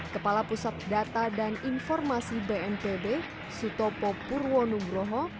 kepala pusat data dan informasi bnpb sutopo purwonugroho